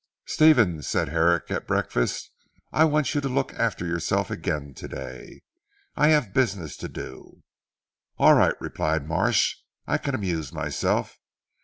"Stephen" said Herrick at breakfast, "I want you to look after yourself again to day. I have business to do." "All right," replied Marsh, "I can amuse myself.